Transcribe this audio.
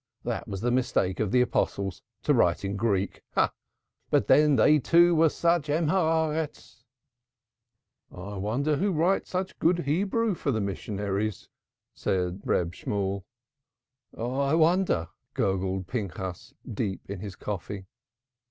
That was the mistake of the Apostles to write in Greek. But then they, too, were such Men of the Earth." "I wonder who writes such good Hebrew for the missionaries," said Reb Shemuel. "I wonder," gurgled Pinchas, deep in his coffee.